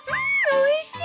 おいしい！